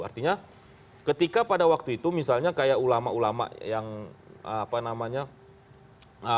artinya ketika pada waktu itu misalnya kayak ulama ulama yang apa namanya